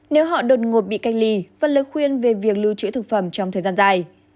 nếu họ đột ngột bị cách ly và lời khuyên về việc lưu trữ thực phẩm trong thời gian dài